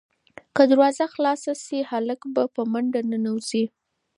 که دروازه خلاصه شي، هلک به په منډه ننوځي.